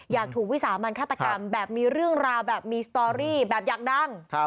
อยากถูกวิสามันฆาตกรรมแบบมีเรื่องราวแบบมีสตอรี่แบบอยากดัง